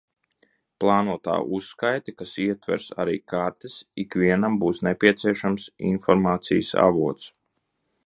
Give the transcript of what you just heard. Plānotā uzskaite, kas ietvers arī kartes, ikvienam būs nepieciešams informācijas avots.